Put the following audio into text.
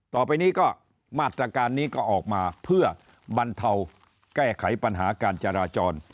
ต่อไปนี้ก็มาตรการนี้ก็ออกมาเพื่อบรรเทาแก้ไขปัญหาการจราจร